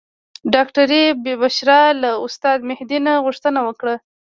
ډاکټرې بشرا له استاد مهدي نه غوښتنه وکړه.